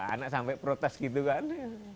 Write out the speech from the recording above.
anak sampai protes gitu kan